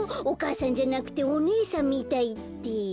お母さんじゃなくておねえさんみたいって。